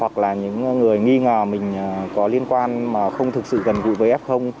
hoặc là những người nghi ngờ mình có liên quan mà không thực sự gần gũi với f